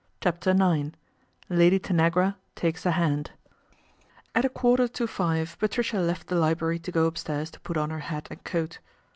CHAPTER IX LADY TANAGRA TAKES A HAND A" a quarter to five Patricia left the library to go upstairs to put on her hat and coat.